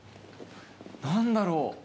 何だろう？